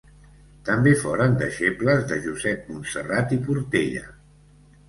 També foren deixebles de Josep Montserrat i Portella.